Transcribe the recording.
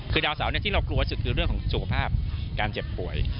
คือดาวเสาร์ที่เรากลัวสุดคือเรื่องของสุขภาพการเจ็บป่วย